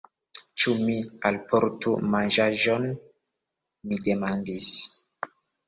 Ĉu mi alportu manĝaĵon? mi demandis.